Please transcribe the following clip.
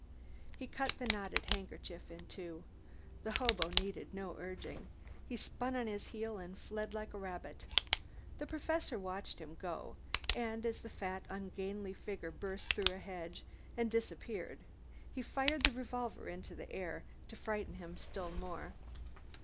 He cut the knotted handkerchief in two. The hobo needed no urging. He spun on his heel and fled like a rabbit. The Professor watched him go, and as the fat, ungainly figure burst through a hedge and disappeared he fired the revolver into the air to frighten him still more.